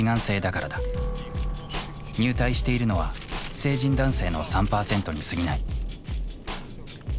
入隊しているのは成人男性の３％にすぎない。